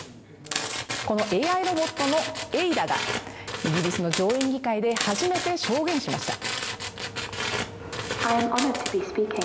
このＡＩロボットのエイダがイギリスの上院議会で初めて証言しました。